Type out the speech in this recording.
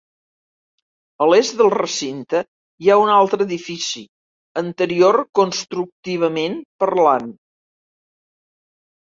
A l'est del recinte hi ha un altre edifici, anterior constructivament parlant.